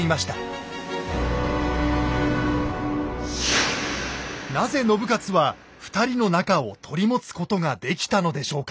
なぜ信雄は２人の仲を取り持つことができたのでしょうか？